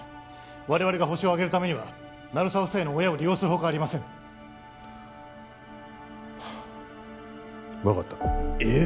我々がホシを挙げるためには鳴沢夫妻の親を利用するほかありません分かったえっ！？